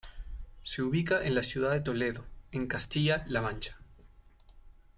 Se ubica en la ciudad de Toledo, en Castilla-La Mancha.